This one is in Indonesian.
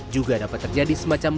juga dapat terjadi semacam